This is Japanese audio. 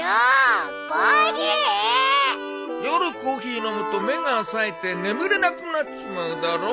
夜コーヒー飲むと目がさえて眠れなくなっちまうだろ？